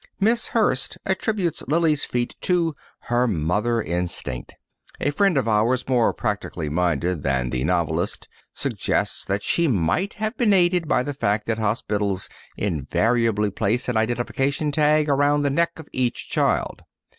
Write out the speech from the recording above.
Miss Hurst attributes Lily's feat to "her mother instinct." A friend of ours, more practically minded than the novelist, suggests that she might have been aided by the fact that hospitals invariably place an identification tag around the neck of each child.